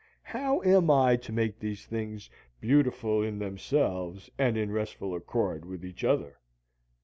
How am I to make these things "beautiful in themselves and in restful accord with each other?"